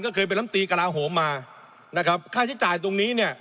ก็เคยเป็นลำตีกระลาโหมมานะครับค่าใช้จ่ายตรงนี้เนี่ย